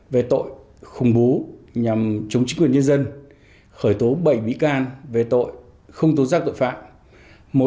về tội khủng bố nhằm chống chính quyền nhân dân khởi tố bảy bị can về tội không tố giác tội phạm